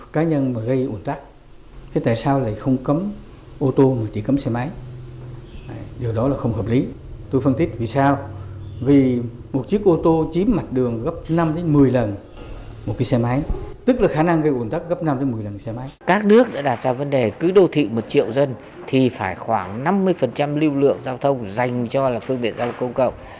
các nước đã đặt ra vấn đề cứ đô thị một triệu dân thì phải khoảng năm mươi lưu lượng giao thông dành cho phương tiện giao thông công cộng